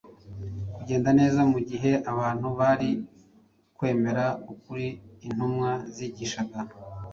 kugenda neza mu gihe abantu bari kwemera ukuri intumwa zigishaga.